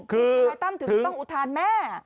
คือถึงถึงต้องอุทานแม่